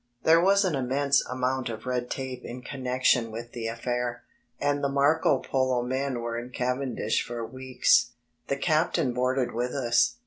There was an immense amount of red tape in connec tion with the affair, and the Marcopok men were in Caven dish for weeks. The captain boarded with us.